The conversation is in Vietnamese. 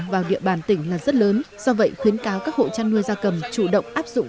vào địa bàn tỉnh là rất lớn do vậy khuyến cáo các hộ chăn nuôi gia cầm chủ động áp dụng